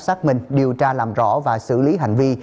xác minh điều tra làm rõ và xử lý hành vi